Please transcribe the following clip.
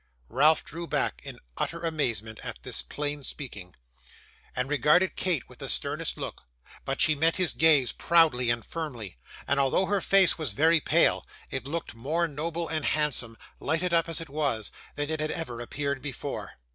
Ralph drew back in utter amazement at this plain speaking, and regarded Kate with the sternest look. But she met his gaze proudly and firmly, and although her face was very pale, it looked more noble and handsome, lighted up as it was, than it had ever appeared before.